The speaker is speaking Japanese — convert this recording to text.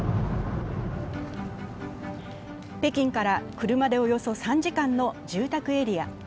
北京から車でおよそ３時間の住宅エリア。